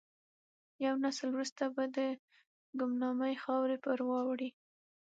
یو نسل وروسته به د ګمنامۍ خاورې پر واوړي.